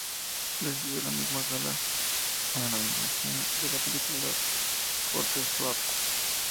Recibió en la misma gala una nominación a la en película por "The Swap".